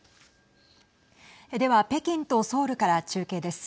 では北京とソウルから中継です。